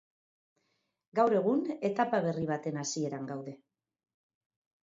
Gaur egun etapa berri baten hasieran gaude.